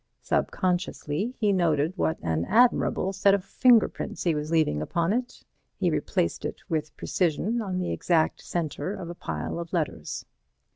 Subconsciously he noted what an admirable set of finger prints he was leaving upon it. He replaced it with precision on the exact centre of a pile of letters.